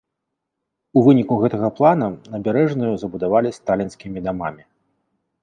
У выніку гэтага плана набярэжную забудавалі сталінскімі дамамі.